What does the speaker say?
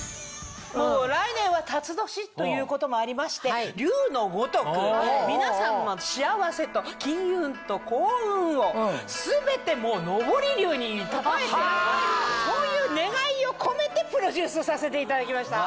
来年はたつ年ということもありまして竜のごとく皆さんの幸せと金運と幸運を全て昇り竜に例えてそういう願いを込めてプロデュースさせていただきました。